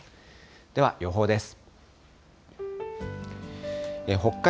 では予報です。